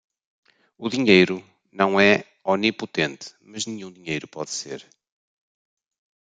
O dinheiro não é onipotente, mas nenhum dinheiro pode ser